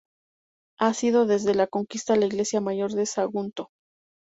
Ha sido desde la conquista la Iglesia Mayor de Sagunto.